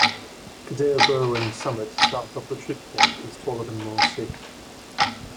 Cadair Berwyn's summit, south of the trig point, is taller than Moel Sych.